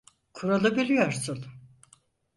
Kuralı biliyorsun.